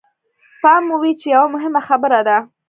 پام مو وي چې يوه مهمه خبره ده.